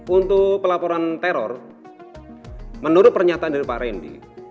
untuk pelaporan teror menurut pernyataan dari pak randy